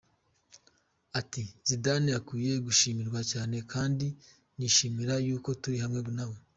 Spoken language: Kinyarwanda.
Ati Zidane akwiye gushimirwa cyane kandi nishimira yuko turi hamwe nawe !